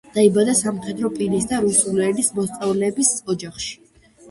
დაიბადა სამხედრო პირის და რუსული ენის მასწავლებლის ოჯახში.